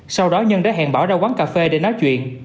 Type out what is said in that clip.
sau đó nhân đã hẹn bỏ ra quán cà phê để nói chuyện